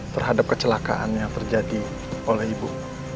terhadap kecelakaan yang terjadi oleh ibu